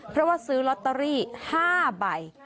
เพราะว่าซื้อลอตเตอรี่๕ใบ